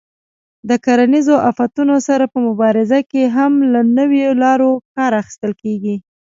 د کرنیزو آفتونو سره په مبارزه کې هم له نویو لارو کار اخیستل کېږي.